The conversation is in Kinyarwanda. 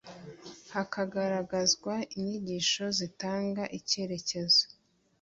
hakagaragazwa inyigisho zitanga icyerekezo